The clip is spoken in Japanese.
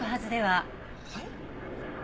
はい？